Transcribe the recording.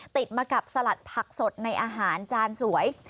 ติดมากับสลัดผักสดในอาหารจานสวย